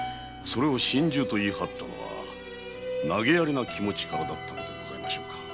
それを心中と言い張ったのは投げやりな気持ちからだったのでございましょうか？